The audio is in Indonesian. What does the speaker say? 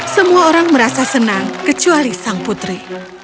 semua orang merasa senang kecuali sang putri